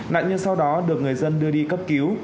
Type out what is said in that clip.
nạn nhân sau đó được người dân đưa đi cấp cứu